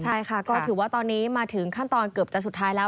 ใช่ค่ะก็ถือว่าตอนนี้มาถึงขั้นตอนเกือบจะสุดท้ายแล้ว